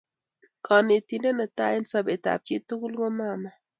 Konetindet netai eng sobetab chitugul ko mama